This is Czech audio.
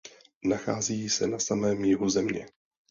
Nachází se na samém jihu země.